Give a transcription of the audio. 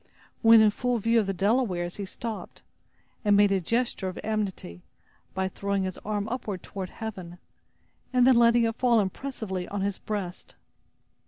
When in full view of the Delawares he stopped, and made a gesture of amity, by throwing his arm upward toward heaven, and then letting it fall impressively on his breast.